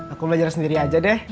aku belajar sendiri aja deh